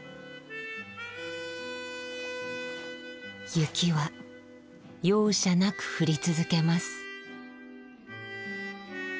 雪は容赦なく降り続けます。